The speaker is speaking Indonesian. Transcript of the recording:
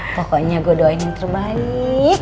pokoknya gue doain yang terbaik